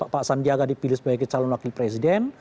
pak sandiaga dipilih sebagai calon wakil presiden